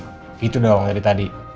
gitu doang dari tadi